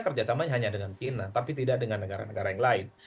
kerjasamanya hanya dengan china tapi tidak dengan negara negara yang lain